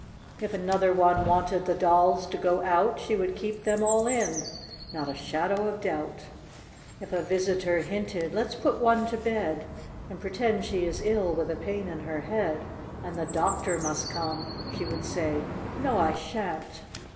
If another one wanted the dolls to go out, She would keep them all in, — not a shadow of doubt ! THE SELFISH GIRL. 9 If a visitor hinted, " Let's put one to bed, And pretend she is ill with a pain in her head, And the doctor must come," — she would say, "Ho, I shan't